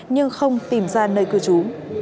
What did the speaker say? nhưng không tìm ra nơi cư trú